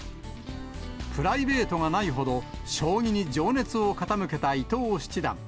プライベートがないほど、将棋に情熱を傾けた伊藤七段。